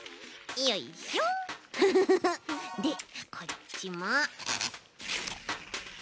でこっちも。